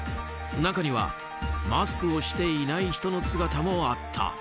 中にはマスクをしていない人の姿もあった。